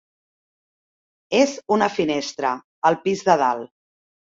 És una finestra, al pis de dalt!